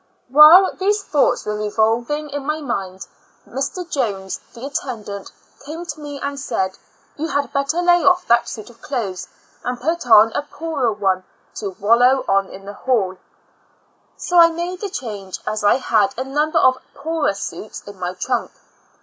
While these thouo'hts were revolvino; in my mind, Mr. Jones, the attendant, came tome and said — "You had better layoff that suit of clothes, and put on a poorer one, to wallow on the hall in." So 1 made the change, as I had a number of poorer suits in my trunk.